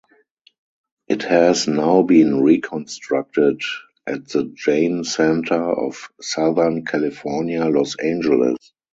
It has now been reconstructed at the Jain Center of Southern California, Los Angeles.